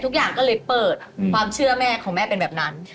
ทุกอย่างก็เลยเปิดความเชื่อแม่ของแม่เป็นแบบนั้น